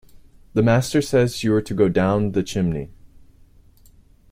The master says you’re to go down the chimney!